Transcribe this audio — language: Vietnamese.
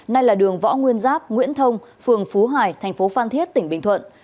nay là đường võ nguyên giáp nguyễn thông phường phú hải tp phan thiết tỉnh bình thuận